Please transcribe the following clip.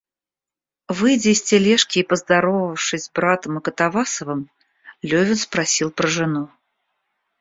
Выйдя из тележки и поздоровавшись с братом и Катавасовым, Левин спросил про жену.